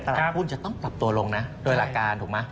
ตลาดหุ้นจะต้องปรับตัวลงนะโดยหลักการถูกไหม